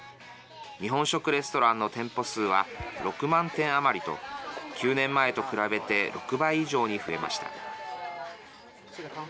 日本食レストランの店舗数は６万店余りと９年前と比べて６倍以上に増えました。